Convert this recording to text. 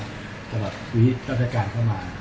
ตั้งแต่ว่าวิทยาศาสตร์จัดการเข้ามา